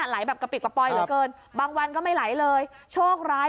ไหลแบบกระปิกกระป๋อยเหลือเกินบางวันก็ไม่ไหลเลยโชคร้าย